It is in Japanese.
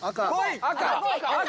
・赤！